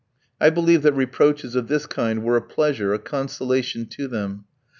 I believe that reproaches of this kind were a pleasure, a consolation to them.